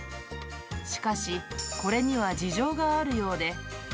しかし、これには事情があるようで。